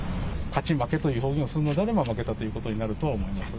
勝ち負けという表現をするあれば、負けたということになるとは思います。